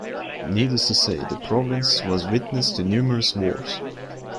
Needless to say, the province was witness to numerous wars.